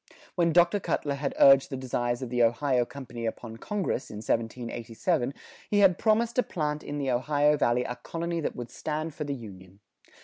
When Dr. Cutler had urged the desires of the Ohio Company upon Congress, in 1787, he had promised to plant in the Ohio Valley a colony that would stand for the Union.